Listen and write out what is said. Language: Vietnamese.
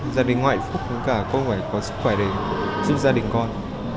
gia đình có hạnh phúc cũng cả con phải có sức khỏe để giúp gia đình con